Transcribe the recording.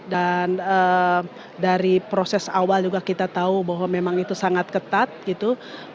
dan dari proses awal juga kita tahu bahwa memang itu sangat ketat gitu